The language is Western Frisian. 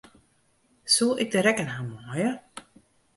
Soe ik de rekken ha meie?